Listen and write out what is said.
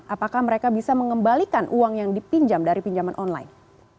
apakah mereka bisa mengembalikan uang yang dipinjam dari pinjaman online